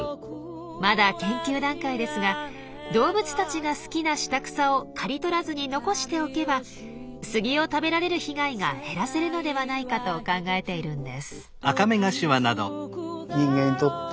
まだ研究段階ですが動物たちが好きな下草を刈り取らずに残しておけばスギを食べられる被害が減らせるのではないかと考えているんです。